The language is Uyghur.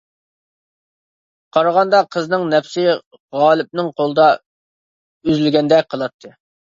قارىغاندا قىزنىڭ نەپىسى غالىپنىڭ قولىدا ئۈزۈلگەندەك قىلاتتى.